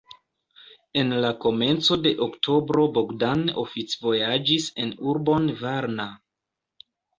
En la komenco de oktobro Bogdan oficvojaĝis en urbon Varna.